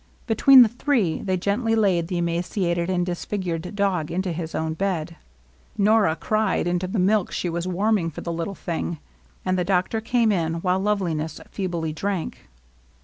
Between the three^ they gently laid the emaciated and disfigured dog into his own bed. Nora cried into the milk she was warming for the Uttle thing. And the doctor came in while Loveliness feebly drank.